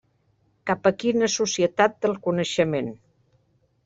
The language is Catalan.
Cap a quina societat del coneixement.